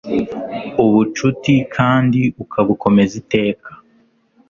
ubucuti kandi ukabukomeza iteka